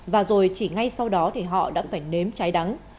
và rồi chỉ ngay sau đó thì họ đã phải nếm trái đắng